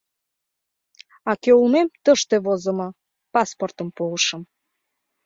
— А кӧ улмем тыште возымо, — паспортым пуышым.